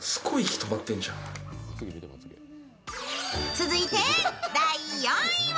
続いて、第４位は